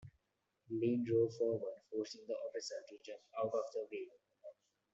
Lynn drove forward, forcing the officer to jump out of the way.